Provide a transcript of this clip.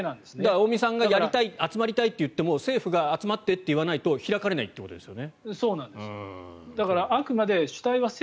尾身さんがやりたい集まりたいといっても政府が集まりたいって言わないと開かれないんですよね。